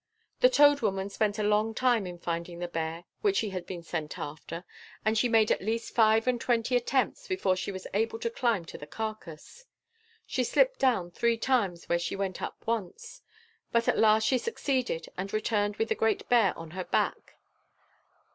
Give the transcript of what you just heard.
The Toad Woman spent a long time in finding the bear which she had been sent after, and she made at least five and twenty attempts before she was able to climb to the carcass. She slipped down three times where she went up once. But at last she succeeded and returned with the great bear on her back.